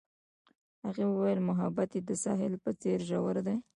هغې وویل محبت یې د ساحل په څېر ژور دی.